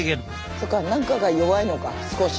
そうか何かが弱いのか少しね。